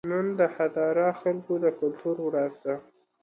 نن د هزاره خلکو د کلتور ورځ ده